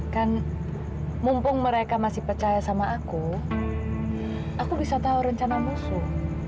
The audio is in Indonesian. kan mumpung mereka masih percaya sama aku aku bisa tahu rencana musuh